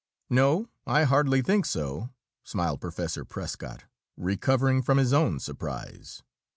"No, I hardly think so," smiled Professor Prescott, recovering from his own surprise.